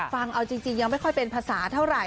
ฟังเอาจริงยังไม่ค่อยเป็นภาษาเท่าไหร่